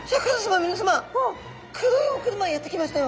みなさま黒いお車やって来ましたよ。